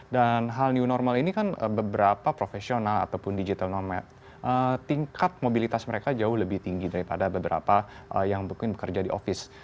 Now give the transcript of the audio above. dan hal new normal ini kan beberapa profesional ataupun digital nomad tingkat mobilitas mereka jauh lebih tinggi daripada beberapa yang bekerja di office